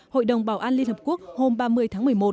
hội đồng bảo an liên hợp quốc hôm ba mươi tháng một mươi một